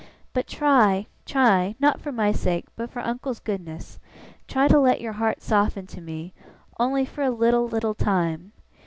But try, try not for my sake, but for uncle's goodness, try to let your heart soften to me, only for a little little time!